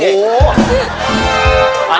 โอ้โห